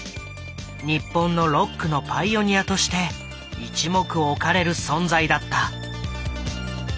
日本のロックのパイオニアとして一目置かれる存在だった。